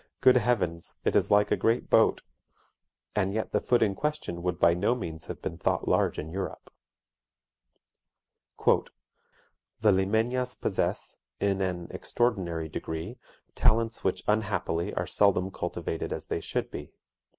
Good heavens, it is like a great boat!) and yet the foot in question would by no means have been thought large in Europe. "The Limeñas possess, in an extraordinary degree, talents which unhappily are seldom cultivated as they should be.